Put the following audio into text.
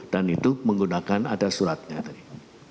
dan itu menggunakan ada suratnya tadi